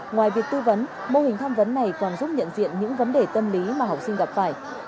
ngoài việc tư vấn mô hình tham vấn này còn giúp nhận diện những vấn đề tâm lý mà học sinh gặp phải